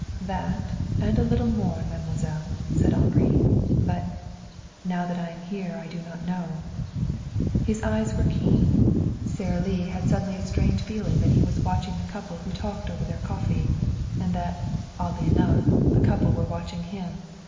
"That, and a little more, mademoiselle," said Henri. "But now that I am here I do not know." His eyes were keen. Sara Lee had suddenly a strange feeling that he was watching the couple who talked over their coffee, and that, oddly enough, the couple were watching him.